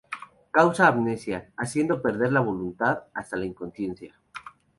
Causa amnesia, haciendo perder la voluntad hasta la inconsciencia.